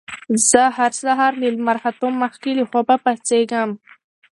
زه هر سهار له لمر ختو مخکې له خوبه پاڅېږم